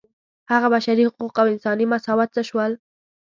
هغه بشري حقوق او انساني مساوات څه شول.